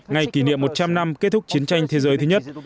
ngày kỷ niệm một trăm linh năm kết thúc chiến tranh thế giới thứ nhất